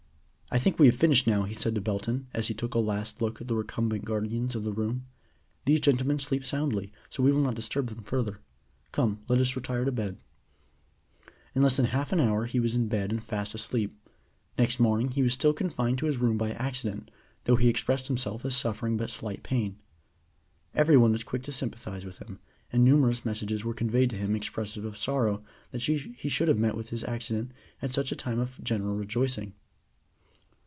"I think we have finished now," he said to Belton, as he took a last look at the recumbent guardians of the room. "These gentlemen sleep soundly, so we will not disturb them further. Come, let us retire to bed." In less than half an hour he was in bed and fast asleep. Next morning he was still confined to his room by his accident, though he expressed himself as suffering but slight pain. Every one was quick to sympathize with him, and numerous messages were conveyed to him expressive of sorrow that he should have met with his accident at such a time of general rejoicing.